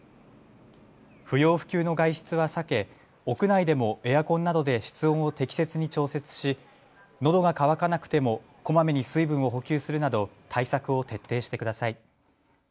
不要不急の外出は避け、屋内でもエアコンなどで室温を適切に調節し、のどが渇かなくてもこまめに水分を補給するなど対策を徹底してください。